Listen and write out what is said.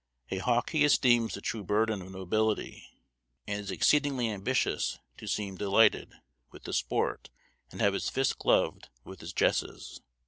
A hawk he esteems the true burden of nobility, and is exceedingly ambitious to seem delighted with the sport, and have his fist gloved with his jesses."